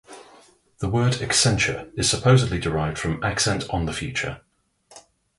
The word "Accenture" is supposedly derived from "Accent on the future".